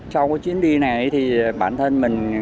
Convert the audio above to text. sau cái chuyến đi này thì bản thân mình